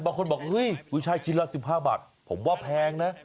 บางคนบอกวิชัยชิ้นละ๑๕บาทผมว่าแพงนะ